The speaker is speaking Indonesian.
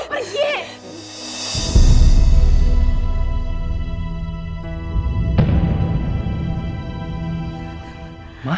pergi jangan sentuh mama